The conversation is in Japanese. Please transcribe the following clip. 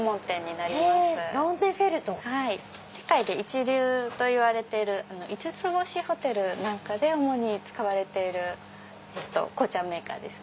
世界で一流といわれている五つ星ホテルなんかで主に使われてる紅茶メーカーです。